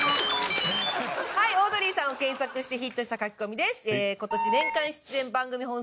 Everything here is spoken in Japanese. オードリーさんを検索してヒットしたカキコミです。